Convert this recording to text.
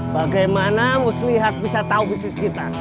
bagaimana muslihat bisa tahu bisnis kita